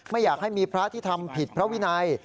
ไม่อยากให้มีพระที่ทำผิดพระวินัย